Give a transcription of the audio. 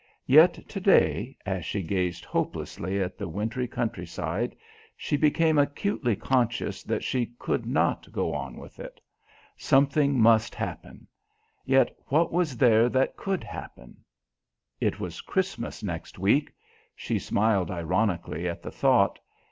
Yet today, as she gazed hopelessly at the wintry country side, she became acutely conscious that she could not go on with it. Something must happen. Yet what was there that could happen? It was Christmas next week. She smiled ironically at the thought.